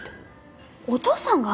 お父さんが？